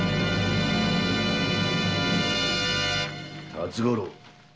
辰五郎